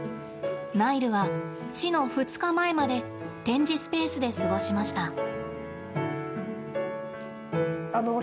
ナイルは、死の２日前まで展示スペースで過ごしました。